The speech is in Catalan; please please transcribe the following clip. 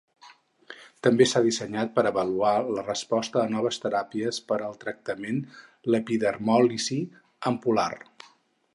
També s'ha dissenyat per avaluar la resposta a noves teràpies per al tractament l'epidermòlisi ampul·lar.